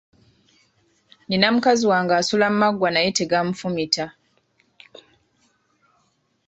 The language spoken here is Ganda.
Nina mukazi wange asula mu maggwa naye tegamufumita.